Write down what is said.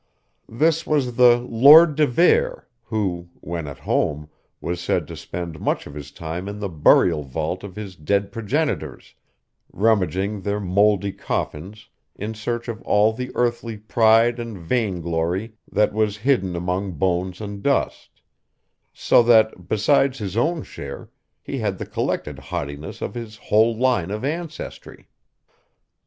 This was the Lord de Vere, who, when at home, was said to spend much of his time in the burial vault of his dead progenitors, rummaging their mouldy coffins in search of all the earthly pride and vainglory that was hidden among bones and dust; so that, besides his own share, he had the collected haughtiness of his whole line of ancestry.